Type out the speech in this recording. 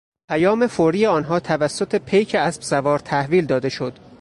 پیام فوری آنها توسط پیک اسب سوار تحویل داده شد.